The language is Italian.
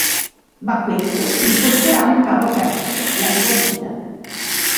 Ma questo, gli costerà un caro prezzo: la sua vita.